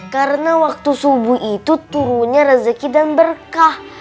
karena waktu subuh itu turunnya rezeki dan berkah